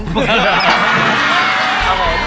ครับผม